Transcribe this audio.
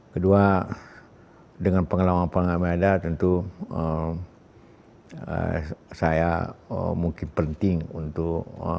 kedua dengan pengalaman pengalaman yang ada tentu saya mungkin penting untuk